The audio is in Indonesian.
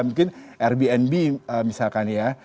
mungkin airbnb misalkan ya